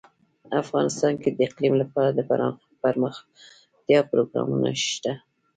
افغانستان کې د اقلیم لپاره دپرمختیا پروګرامونه شته.